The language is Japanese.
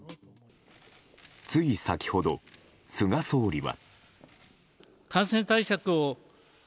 つい先ほど、菅総理は。